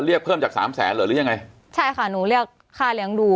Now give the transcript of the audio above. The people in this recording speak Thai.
เรียกเพิ่มจากสามแสนเหรอหรือยังไงใช่ค่ะหนูเรียกค่าเลี้ยงดู